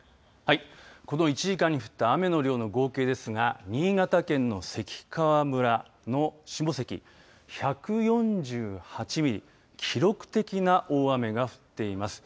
この１時間に降った雨の量の合計ですが、新潟県の関川村の下関１４８ミリ記録的な大雨が降っています。